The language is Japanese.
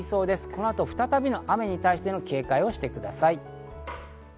この後、再びの雨に対しての警戒をしてください。